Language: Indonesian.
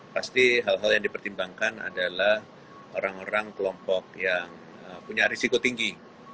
pasti hal hal yang dipertimbangkan adalah orang orang kelompok yang punya risiko tinggi